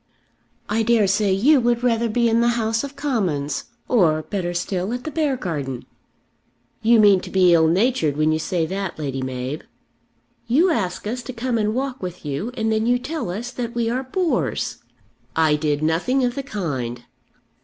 "I dare say you would rather be in the House of Commons; or, better still, at the Beargarden." "You mean to be ill natured when you say that, Lady Mab." "You ask us to come and walk with you, and then you tell us that we are bores!" "I did nothing of the kind."